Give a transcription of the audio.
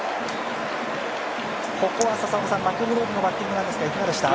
ここはマクブルームのバッティングはいかがでしたか？